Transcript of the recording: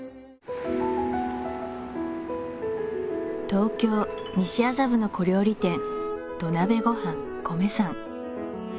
東京・西麻布の小料理店土鍋ごはん米三